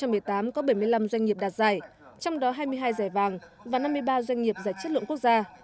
năm hai nghìn một mươi tám có bảy mươi năm doanh nghiệp đạt giải trong đó hai mươi hai giải vàng và năm mươi ba doanh nghiệp giải chất lượng quốc gia